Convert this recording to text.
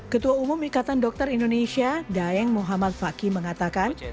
ketua umum ikatan dokter indonesia daeng muhammad fakih mengatakan